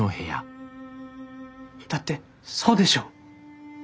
だってそうでしょう？